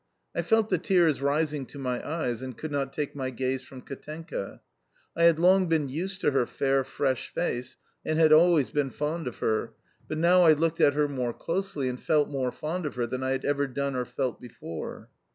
I felt the tears rising to my eyes, and could not take my gaze from Katenka. I had long been used to her fair, fresh face, and had always been fond of her, but now I looked at her more closely, and felt more fond of her, than I had ever done or felt before.